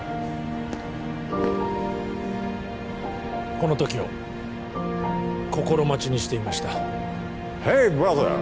この時を心待ちにしていましたヘイブラザー！